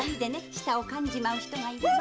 舌をかんじまう人がいるの。